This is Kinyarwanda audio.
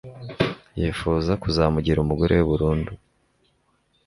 yifuza kuzamugira umugore we burundu